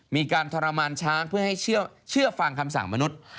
มีการทรมานช้างเพื่อให้เชื่อฟังคำสั่งมนุษย์